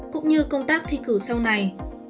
cũng như công tác thi cử sau này